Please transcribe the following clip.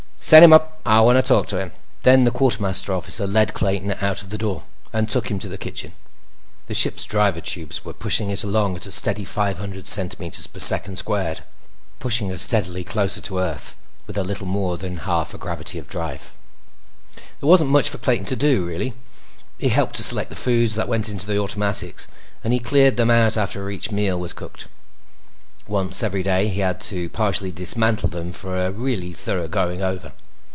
Send him up. I want to talk to him." Then the quartermaster officer led Clayton out the door and took him to the kitchen. The ship's driver tubes were pushing it along at a steady five hundred centimeters per second squared acceleration, pushing her steadily closer to Earth with a little more than half a gravity of drive. There wasn't much for Clayton to do, really. He helped to select the foods that went into the automatics, and he cleaned them out after each meal was cooked. Once every day, he had to partially dismantle them for a really thorough going over.